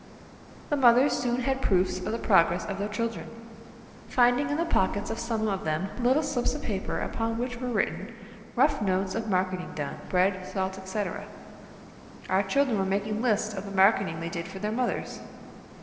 The mothers soon had proofs of the progress of their children; finding in the pockets of some of them little slips of paper upon which were written rough notes of marketing done; bread, salt, etc. Our children were making lists of the marketing they did for their mothers!